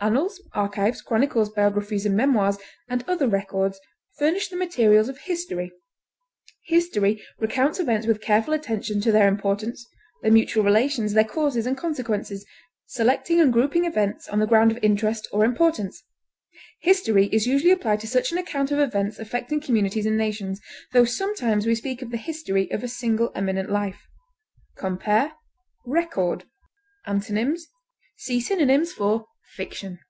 Annals, archives, chronicles, biographies, and memoirs and other records furnish the materials of history. History recounts events with careful attention to their importance, their mutual relations, their causes and consequences, selecting and grouping events on the ground of interest or importance. History is usually applied to such an account of events affecting communities and nations, tho sometimes we speak of the history of a single eminent life. Compare RECORD. Antonyms: See synonyms for FICTION.